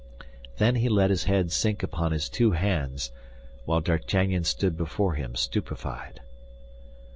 Then he let his head sink upon his two hands, while D'Artagnan stood before him, stupefied.